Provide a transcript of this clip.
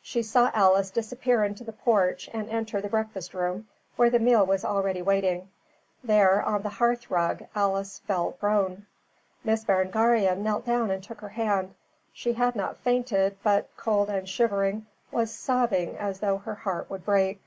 She saw Alice disappear into the porch and enter the breakfast room, where the meal was already waiting. There, on the hearth rug, Alice fell prone. Miss Berengaria knelt down and took her hand. She had not fainted, but, cold and shivering, was sobbing as though her heart would break.